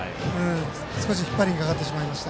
少し引っ張りにかかってしまいました。